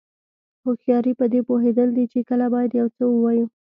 هوښیاري پدې پوهېدل دي چې کله باید یو څه ووایو.